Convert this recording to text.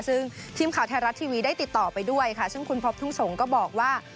ซึ่งทีมข่าวไทยรัฐทีวีได้ติดต่อไปด้วยค่ะซึ่งคุณพบทุ่งสงศ์ก็บอกว่า